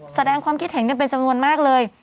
แสดงความคิดเห็นกันเป็นจำนวนมากเลย